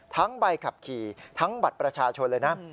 ใบขับขี่ทั้งบัตรประชาชนเลยนะ